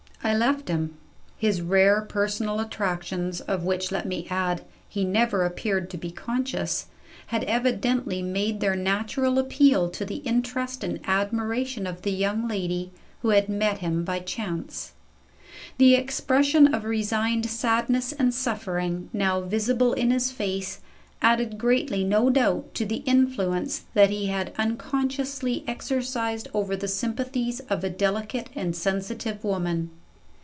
I left him. His rare personal attractions of which, let me add, he never appeared to be conscious had evidently made their natural appeal to the interest and admiration of the young lady who had met him by chance. The expression of resigned sadness and suffering, now visible in his face, added greatly no doubt to the influence that he had unconsciously exercised over the sympathies of a delicate and sensitive woman.